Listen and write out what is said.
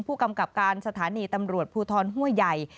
ผู้กำกับการสถานีตำรวจภูทรห้วยใหญ่